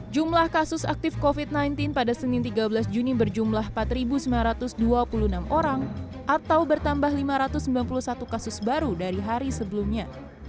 jumlah kasus aktif covid sembilan belas pada senin tiga belas juni berjumlah empat sembilan ratus dua puluh enam orang atau bertambah lima ratus sembilan puluh satu kasus baru dari hari sebelumnya